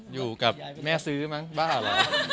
อยู่กับแม่ซื้อมั้งบ้าเหรอ